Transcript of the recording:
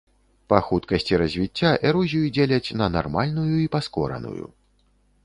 Па хуткасці развіцця эрозію дзеляць на нармальную і паскораную.